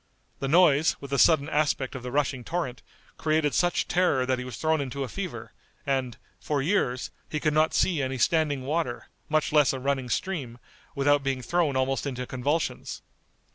The noise, with the sudden aspect of the rushing torrent, created such terror that he was thrown into a fever, and, for years, he could not see any standing water, much less a running stream, without being thrown almost into convulsions.